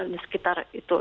di sekitar itu